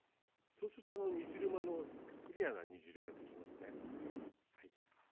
そうすると煮汁もクリアな煮汁ができますね。